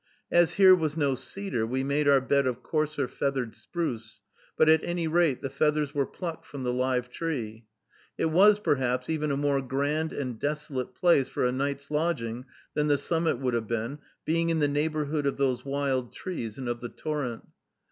As here was no cedar, we made our bed of coarser feathered spruce; but at any rate the feathers were plucked from the live tree. It was, perhaps, even a more grand and desolate place for a night's lodging than the summit would have been, being in the neighborhood of those wild trees, and of the torrent.